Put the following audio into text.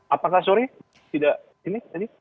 apakah sorry tidak ini ini